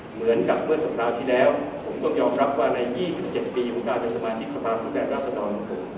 เหมือนกับเมื่อสัปดาห์ที่แล้วผมต้องยอมรับว่าใน๒๗ปีมุกราชสมาชิกภาพมุติแห่งราชธรรมของผม